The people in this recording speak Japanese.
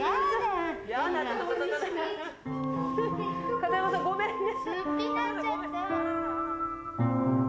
片山さんごめんね。